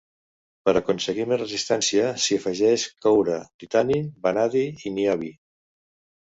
Per aconseguir més resistència s'hi afegeix coure, titani, vanadi i niobi.